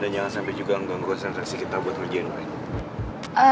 dan jangan sampai juga engkau ngekonsentrasi kita buat ngerjain gue